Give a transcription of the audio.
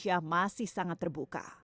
indonesia masih sangat terbuka